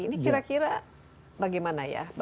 ini kira kira bagaimana ya